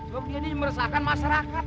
soalnya ini meresahkan masyarakat